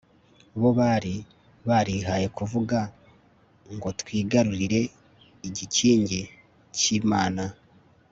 bo bari barihaye kuvuga ngotwigarurire igikingi cy'imana